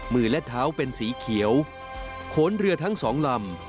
มือและเท้าเป็นสีเขียวโขนเรือทั้งสองลำ